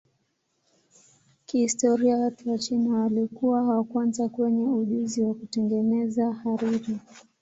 Kihistoria watu wa China walikuwa wa kwanza wenye ujuzi wa kutengeneza hariri.